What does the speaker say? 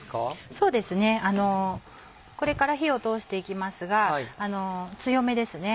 そうですねこれから火を通して行きますが強めですね。